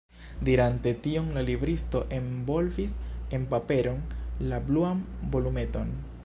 Dirante tion, la libristo envolvis en paperon la bluan volumeton.